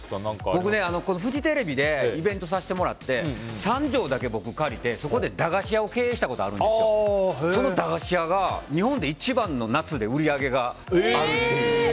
僕、フジテレビでイベントさせてもらって３畳だけ借りてそこで駄菓子屋を経営したことがあるんですよ。その駄菓子屋が日本で一番の夏で売り上げがあるっていう。